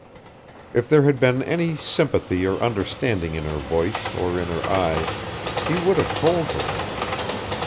If there had been any sympathy or understanding in her voice or in her eyes, he would have told her